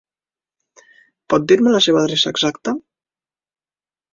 Pot dir-me la seva adreça exacta?